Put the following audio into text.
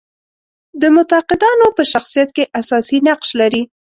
د معتقدانو په شخصیت کې اساسي نقش لري.